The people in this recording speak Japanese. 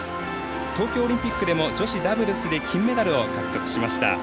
東京オリンピックでも女子ダブルスで金メダルを獲得しました。